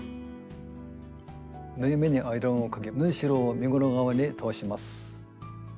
縫い目にアイロンをかけ縫いしろを身ごろ側に倒します。